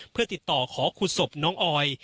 เพื่อติดต่อขอขุดศพน้องออย